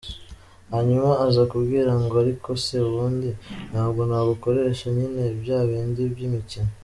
hanyuma aza kumbwira ngo ariko se ubundi ntabwo nagukoresha nyine bya bindi by’imikino.